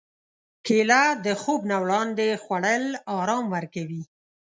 کېله د خوب نه وړاندې خوړل ارام ورکوي.